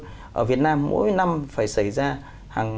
vì vậy nên ở việt nam mỗi năm phải xảy ra